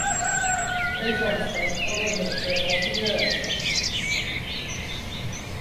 এই সংস্থার সদর দপ্তর অস্ট্রেলিয়ার সিডনিতে অবস্থিত।